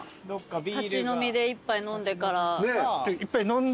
立ち飲みで１杯飲んでから。